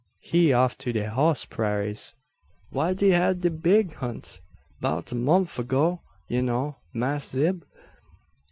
He off to de hoss prairas wha de hab de big hunt 'bout a momf ago. You know, Mass' Zeb?"